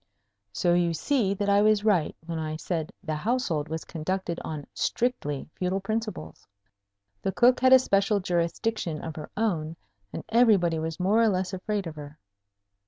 So you see that I was right when I said the household was conducted on strictly feudal principles. The Cook had a special jurisdiction of her own, and everybody was more or less afraid of her.